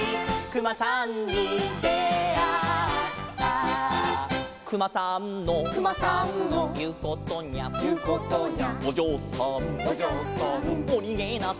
「くまさんが」